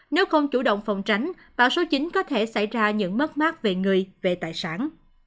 nếu không chủ động phòng tránh bão số chín có thể xảy ra những mất mát về người về tài sản